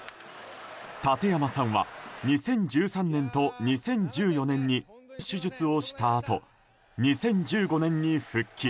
館山さんは２０１３年と２０１４年に手術をしたあと２０１５年に復帰。